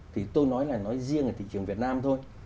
thì tôi nói là nói riêng ở thị trường việt nam thôi